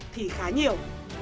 thì khá nhiều